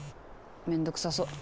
めんどくさそう。